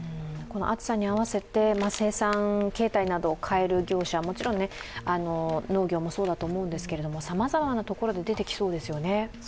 暑さに合わせて、生産形態などを変える業者、もちろん、農業もそうだと思うんですけれども、さまざまなところで出てきそうですよね。